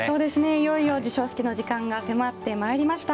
いよいよ授賞式の時間が迫ってまいりました。